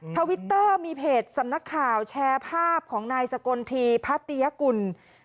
ทวิตเตอร์มีเพจสำนักข่าวแชร์ภาพของนายสกลทีพัตยกุล